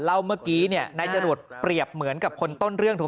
เมื่อกี้เนี่ยนายจรวดเปรียบเหมือนกับคนต้นเรื่องถูก